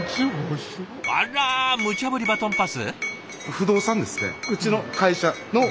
あらむちゃぶりバトンパス？